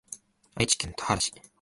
愛知県田原市